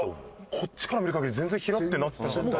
こっちから見る限り全然ヒラッてなってない。